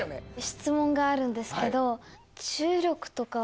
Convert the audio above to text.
質問があるんですけど。